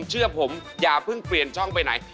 เชื่อผมอย่าเพิ่งเปลี่ยนช่องไปไหน